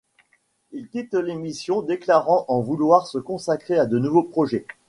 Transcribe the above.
Il quitte l'émission, déclarant en vouloir se consacrer à de nouveaux projets.